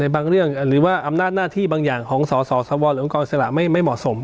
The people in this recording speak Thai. บางเรื่องหรือว่าอำนาจหน้าที่บางอย่างของสสวหรือองค์กรอิสระไม่เหมาะสม